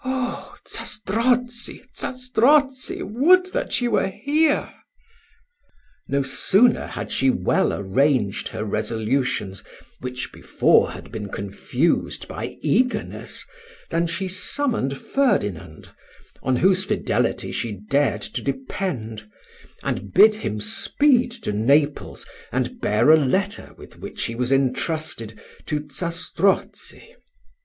"Oh, Zastrozzi, Zastrozzi! would that you were here!" No sooner had she well arranged her resolutions, which before had been confused by eagerness, than she summoned Ferdinand, on whose fidelity she dared to depend, and bid him speed to Naples, and bear a letter, with which he was intrusted, to Zastrozzi.